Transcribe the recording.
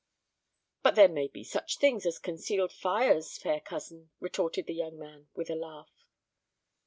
"But there may be such things as concealed fires, fair cousin," retorted the young man, with a laugh.